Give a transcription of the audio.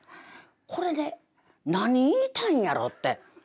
これね何言いたいんやろ？って。